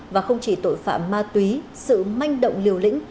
và không chỉ tội phạm ma túy sự manh động liều lĩnh